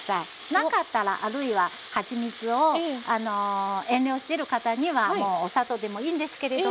なかったらあるいははちみつを遠慮してる方にはお砂糖でもいいんですけれども。